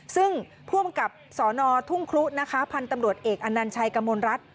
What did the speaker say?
ซึ่งพร่วมกับสนทุ่งครุพันธ์ตำรวจเอกอันนันชัยกำมวลรัฐ